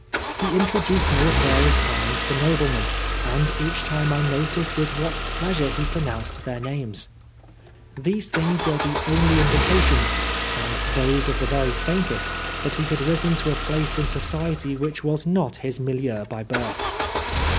He introduced me at various times to noblemen, and each time I noticed with what pleasure he pro nounced their names. These things were the only indications, and those of the very faintest, that he had risen to a place in society which was not his milieu by birth.